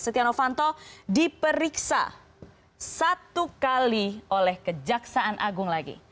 setia novanto diperiksa satu kali oleh kejaksaan agung lagi